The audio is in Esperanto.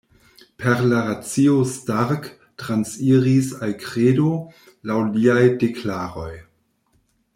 Per la racio Stark transiris al kredo, laŭ liaj deklaroj.